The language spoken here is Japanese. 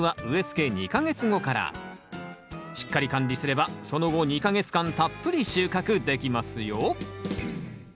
しっかり管理すればその後２か月間たっぷり収穫できますよ。